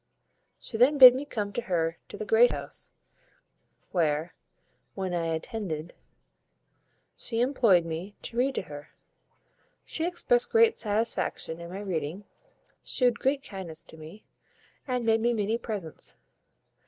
She then bid me come to her to the great house; where, when I attended, she employed me to read to her. She expressed great satisfaction in my reading, shewed great kindness to me, and made me many presents.